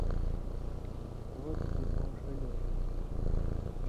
”ہو تُھو بے کؤں ݜلیۡ اور“